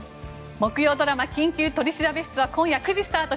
木曜ドラマ「緊急取調室」今夜９時スタート。